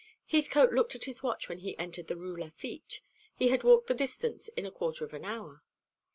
Heathcote looked at his watch when he entered the Rue Lafitte. He had walked the distance in a quarter of an hour.